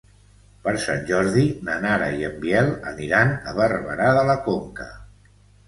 Per Sant Jordi na Nara i en Biel aniran a Barberà de la Conca.